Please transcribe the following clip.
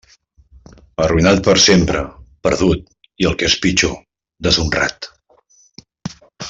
Arruïnat per sempre, perdut, i el que és pitjor, deshonrat.